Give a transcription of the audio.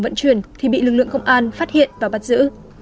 vận chuyển thì bị lực lượng công an phát hiện và bắt giữ